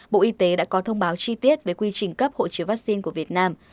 bộ y tế đã có thông báo chi tiết về quy trình cấp hộ chiếu vaccine của việt nam